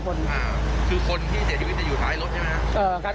คือคนที่อยู่ท้ายรถใช่ไหมครับ